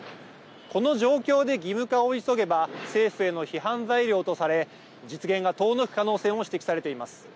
この状況で義務化を急げば政府への批判材料とされ実現が遠のく可能性も指摘されています。